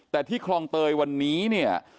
แต่ที่คลองเตยวันนี้เนี่ย